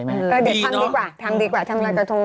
ทำดีกว่าทำลอยกระทงน้ำแข็ง